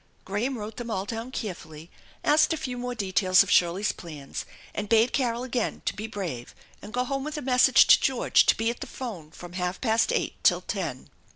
Graham wrote them all down carefully, asked a few more details of Shirley's plans, and bade Carol again to be brave and go home with a message to George to be at the phone from half past eight to ten.